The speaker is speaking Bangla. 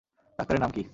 ডাক্তারের নাম কি?